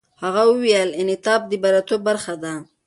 هغه وویل، انعطاف د بریالیتوب برخه ده.